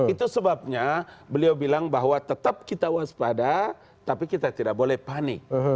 itu sebabnya beliau bilang bahwa tetap kita waspada tapi kita tidak boleh panik